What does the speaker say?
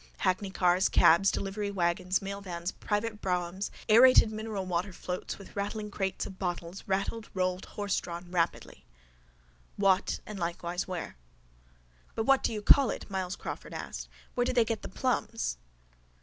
Hackney cars, cabs, delivery waggons, mailvans, private broughams, aerated mineral water floats with rattling crates of bottles, rattled, rolled, horsedrawn, rapidly. WHAT?—AND LIKEWISE—WHERE? —But what do you call it? Myles Crawford asked. Where did they get the plums?